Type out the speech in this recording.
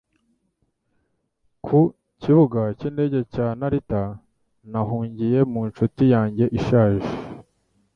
Ku Kibuga cy'indege cya Narita, nahungiye mu nshuti yanjye ishaje.